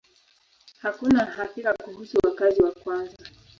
Hakuna hakika kuhusu wakazi wa kwanza.